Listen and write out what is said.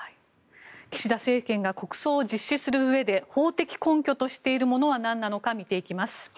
岸田政権が国葬を実施する中で法的根拠としているものは何なのか見ていきます。